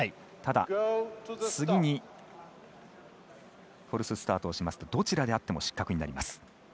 ただ、次にフォルススタートをしますとどちらであっても失格になります。